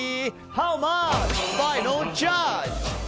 ハウマッチファイナルジャッジ。